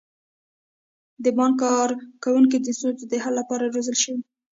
د بانک کارکوونکي د ستونزو د حل لپاره روزل شوي.